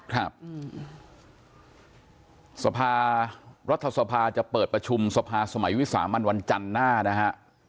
ครับสภารัฐสภาจะเปิดประชุมสภาสมัยวิสามันวันจันทร์หน้านะฮะ